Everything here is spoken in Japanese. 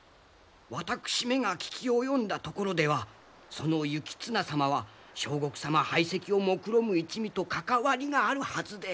私めが聞き及んだところではその行綱様は相国様排斥をもくろむ一味と関わりがあるはずで。